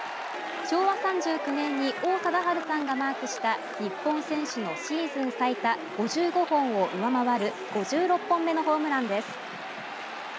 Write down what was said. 昭和３９年に王貞治さんがマークした日本選手のシーズン最多５５本を上回る５６本目のホームランです。